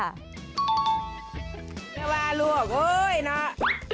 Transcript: ไม่ว่าลูกเอ้ยเนาะ